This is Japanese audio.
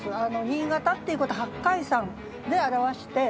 新潟っていうこと「八海山」で表して。